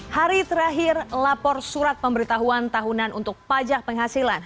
hari terakhir lapor surat pemberitahuan tahunan untuk pajak penghasilan